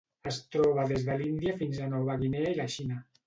Es troba des de l'Índia fins a Nova Guinea i la Xina.